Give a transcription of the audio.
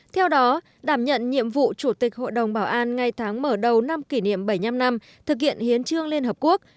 theo đó đảm nhận nhiệm vụ chủ tịch hội đồng bảo an ngay tháng mở đầu năm kỷ niệm bảy mươi năm năm thực hiện hiến trương liên hợp quốc